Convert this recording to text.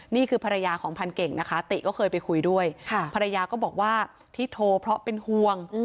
นี่คือภรรยาของพันเก่งนะคะติก็เคยไปคุยด้วยภรรยาก็บอกว่าที่โทรเพราะเป็นห่วง